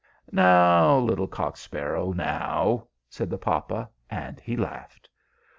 "Now, little cock sparrow, now!" said the papa; and he laughed.